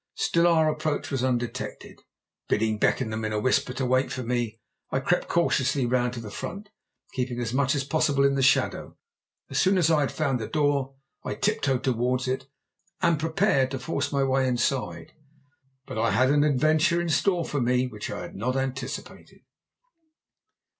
Still our approach was undetected. Bidding Beckenham in a whisper wait for me, I crept cautiously round to the front, keeping as much as possible in the shadow. As soon as I had found the door, I tiptoed towards it and prepared to force my way inside but I had an adventure in store for me which I had not anticipated.